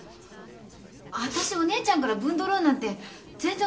私お姉ちゃんからぶんどろうなんて全然思ってないよ。